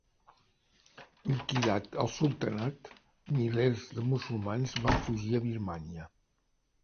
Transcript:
Liquidat el sultanat, milers de musulmans van fugir a Birmània.